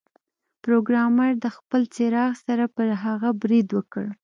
پروګرامر د خپل څراغ سره پر هغه برید وکړ